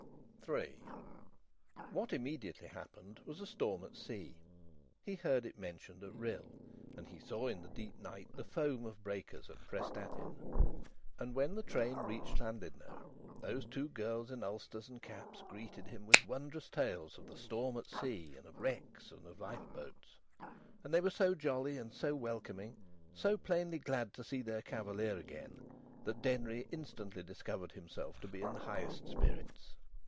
III What immediately happened was a storm at sea. He heard it mentioned at Rhyl, and he saw, in the deep night, the foam of breakers at Prestatyn. And when the train reached Llandudno, those two girls in ulsters and caps greeted him with wondrous tales of the storm at sea, and of wrecks, and of lifeboats. And they were so jolly, and so welcoming, so plainly glad to see their cavalier again, that Denry instantly discovered himself to be in the highest spirits.